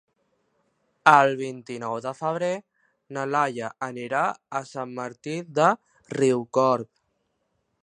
El vint-i-nou de febrer na Laia anirà a Sant Martí de Riucorb.